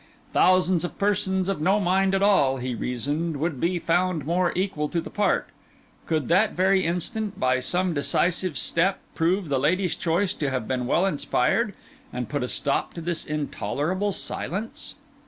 Thousands of persons of no mind at all, he reasoned, would be found more equal to the part; could, that very instant, by some decisive step, prove the lady's choice to have been well inspired, and put a stop to this intolerable silence.